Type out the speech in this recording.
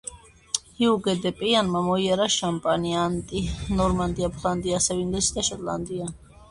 ჰიუგ დე პეინმა მოიარა შამპანი, ანჟი, ნორმანდია, ფლანდრია, ასევე ინგლისი და შოტლანდია.